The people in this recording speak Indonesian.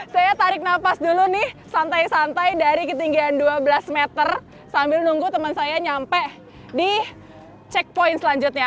saya tarik napas dulu nih santai santai dari ketinggian dua belas meter sambil nunggu teman saya nyampe di checkpoint selanjutnya